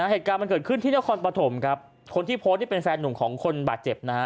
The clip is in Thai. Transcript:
เหตุการณ์มันเกิดขึ้นที่นครปฐมครับคนที่โพสต์นี่เป็นแฟนหนุ่มของคนบาดเจ็บนะฮะ